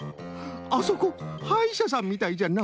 あそこはいしゃさんみたいじゃな。